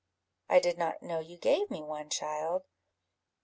"I did not know you gave me one, child."